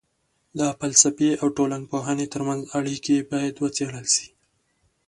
د فلسفې او ټولنپوهني ترمنځ اړیکې باید وڅېړل سي.